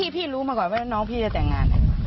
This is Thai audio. พี่รู้มาก่อนว่าน้องพี่จะแต่งงาน